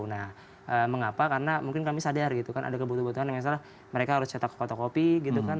nah mengapa karena mungkin kami sadar gitu kan ada kebutuhan kebutuhan yang misalnya mereka harus cetak fotokopi gitu kan